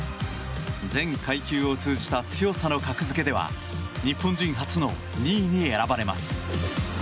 全階級を通じた強さの格付けでは日本人初の２位に選ばれます。